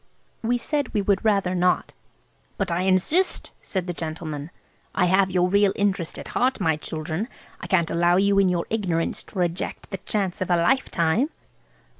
We said we would rather not. "But I insist," said the gentleman. "I have your real interest at heart, my children–I can't allow you in your ignorance to reject the chance of a lifetime."